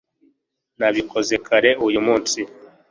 nabikoze kare uyu munsi